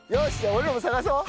俺らも探そう。